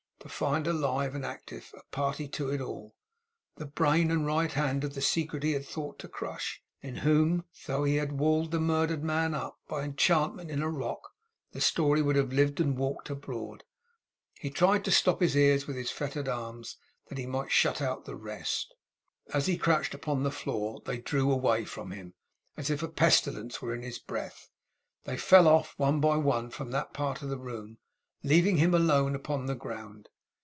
To find alive and active a party to it all the brain and right hand of the secret he had thought to crush! In whom, though he had walled the murdered man up, by enchantment in a rock, the story would have lived and walked abroad! He tried to stop his ears with his fettered arms, that he might shut out the rest. As he crouched upon the floor, they drew away from him as if a pestilence were in his breath. They fell off, one by one, from that part of the room, leaving him alone upon the ground.